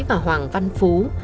và hoàng văn phú